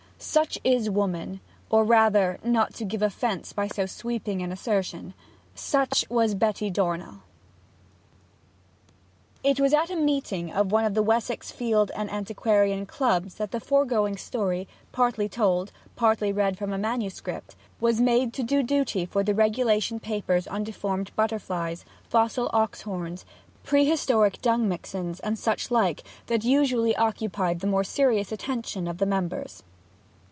Such is woman; or rather (not to give offence by so sweeping an assertion), such was Betty Dornell. It was at a meeting of one of the Wessex Field and Antiquarian Clubs that the foregoing story, partly told, partly read from a manuscript, was made to do duty for the regulation papers on deformed butterflies, fossil ox horns, prehistoric dung mixens, and such like, that usually occupied the more serious attention of the members.